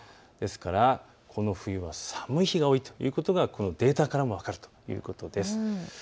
ですからこの冬は寒い日が多いということはデータからも分かるということです。